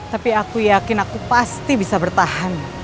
tapi aku yakin aku pasti bisa bertahan